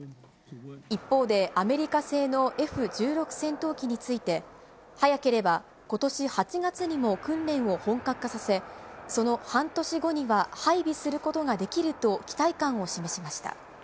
一方で、アメリカ製のＦ１６戦闘機について、早ければことし８月にも訓練を本格化させ、その半年後には配備することができると期待感を示しました。